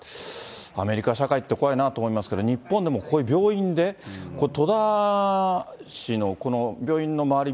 アメリカ社会って怖いなと思いますけど、日本でもこういう病院で、戸田市のこの病院の周り